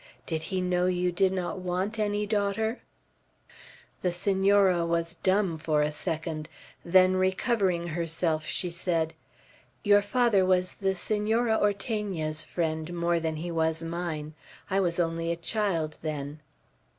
Did he know you did not want any daughter?" The Senora was dumb for a second; then recovering herself, she said: "Your father was the Senora Ortegna's friend more than he was mine. I was only a child, then."